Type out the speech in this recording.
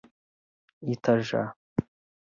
Itajá